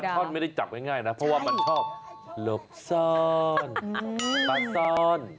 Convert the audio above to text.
ท่อนไม่ได้จับง่ายนะเพราะว่ามันชอบหลบซ่อนตัดซ่อน